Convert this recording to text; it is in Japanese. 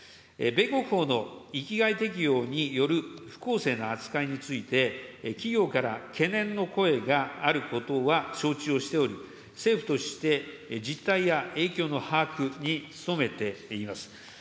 米国法の域外適用による不公正な扱いについて、企業から懸念の声があることは承知をしており、政府として実態や影響の把握に努めています。